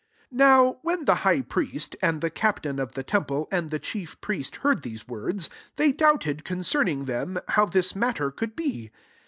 24 Now, when the A/^A priest, and the captain of the temple, and the chief spriest heard these words, they doubted concerning them, how this matter could be.